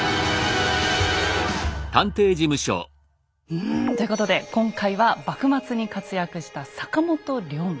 うんということで今回は幕末に活躍した坂本龍馬。